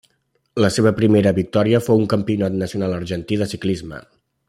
La seva primera victòria fou un campionat nacional argentí de ciclisme.